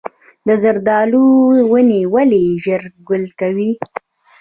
د زردالو ونې ولې ژر ګل کوي؟